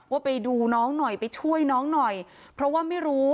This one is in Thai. ว่าไปดูน้องหน่อยไปช่วยน้องหน่อยเพราะว่าไม่รู้